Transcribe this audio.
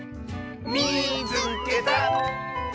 「みいつけた！」。